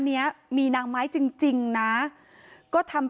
ผมไม่แน่ใจนะครับ